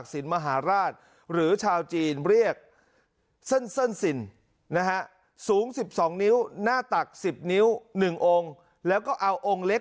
สิ้นนะฮะสูงสิบสองนิ้วหน้าตักสิบนิ้วหนึ่งองค์แล้วก็เอาองค์เล็ก